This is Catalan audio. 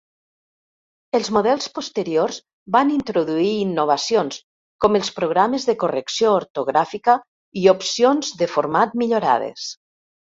Els models posteriors van introduir innovacions, com els programes de correcció ortogràfica i opcions de format millorades.